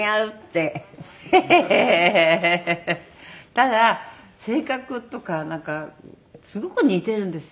ただ性格とかなんかすごく似ているんですよ。